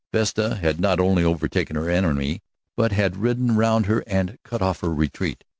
Vesta had not only overtaken her enemy, but had ridden round her and cut off her retreat.